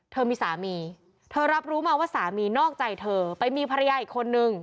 เธอมีสามีเธอรับรู้มาว่าสามีนอกใจเธอไปมีภรรยาอีกคนนึง